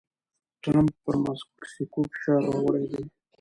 ټرمپ پر مکسیکو فشار راوړی و.